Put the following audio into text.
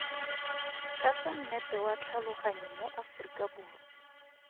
Tlatsa mmepe wa tlhaloganyo mo Aforikaborwa.